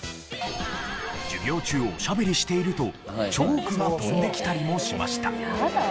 授業中おしゃべりしているとチョークが飛んできたりもしました。